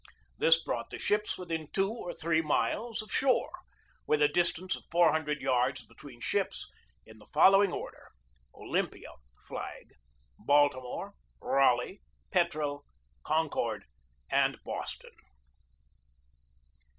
This brought the ships within two or three miles of shore, with a distance of four hundred yards be tween ships, in the following order: Olympia (flag), Baltimore, Raleigh, Petrel, Concord, and Boston.